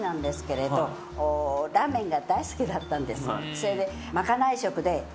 それで。